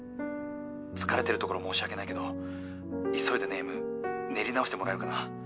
疲れてるところ申し訳ないけど急いでネーム練り直してもらえるかな？